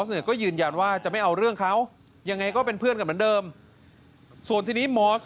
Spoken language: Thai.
แล้วเขาเลยผลักพี่สาวเราใช่ไหมครับ